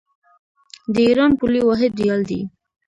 د ایران پولي واحد ریال دی.